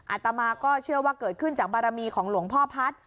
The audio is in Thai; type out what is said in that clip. อาตมาก็เชื่อว่าเกิดขึ้นจากบารมีของหลวงพ่อพัฒน์